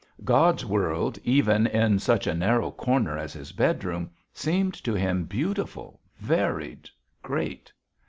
God's world, even in such a narrow corner as his bedroom, seemed to him beautiful, varied, great.